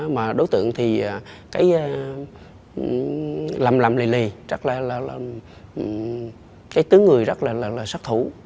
mà đối tượng thì lầm lầm lì lì cái tướng người rất là sắc thủ